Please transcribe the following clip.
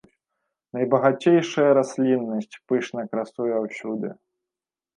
Найбагацейшая расліннасць пышна красуе ўсюды.